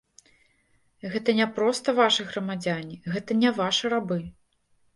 Гэта не проста вашы грамадзяне, гэта не вашы рабы.